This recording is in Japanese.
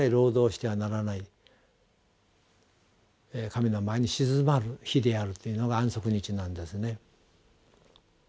神の前に静まる日であるというのが安息日なんですね。